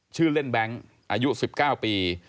ชื่อเล่นแบงค์อายุ๑๙ปี